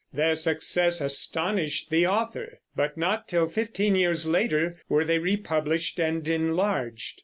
Their success astonished the author, but not till fifteen years later were they republished and enlarged.